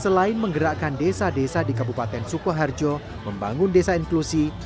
selain menggerakkan desa desa di kabupaten sukoharjo membangun desa inklusi